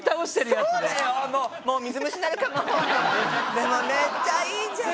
でもめっちゃいいじゃん。